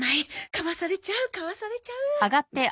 買わされちゃう買わされちゃう。